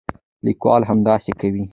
لیکوال همداسې کوي.